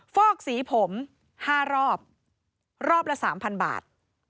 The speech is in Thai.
ฟอกสีผม๕รอบรอบละ๓๐๐บาท